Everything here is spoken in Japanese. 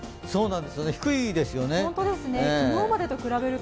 低いですよね。